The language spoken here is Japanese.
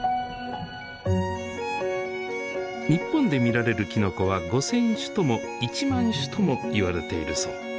日本で見られるきのこは５，０００種とも１万種ともいわれているそう。